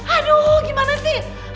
aduh gimana sih